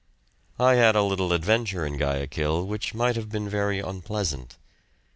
I had a little adventure in Guayaquil which might have been very unpleasant.